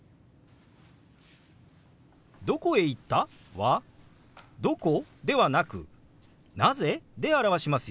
「どこへいった？」は「どこ？」ではなく「なぜ？」で表しますよ。